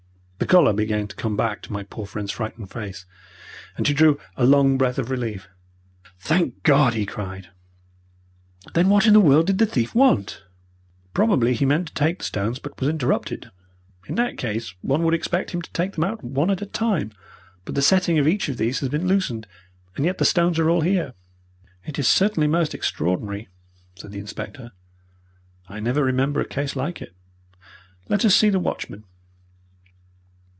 The colour began to come back to my poor friend's frightened face, and he drew a long breath of relief. "Thank God!" he cried. "Then what in the world did the thief want?" "Probably he meant to take the stones, but was interrupted." "In that case one would expect him to take them out one at a time, but the setting of each of these has been loosened, and yet the stones are all here." "It is certainly most extraordinary," said the inspector. "I never remember a case like it. Let us see the watchman."